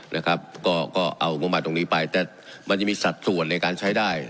นะครับก็ก็เอางบมาตรงนี้ไปแต่มันจะมีสัดส่วนในการใช้ได้